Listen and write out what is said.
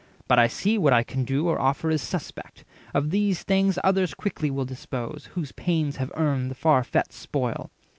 But I see What I can do or offer is suspect. Of these things others quickly will dispose, 400 Whose pains have earned the far fet spoil."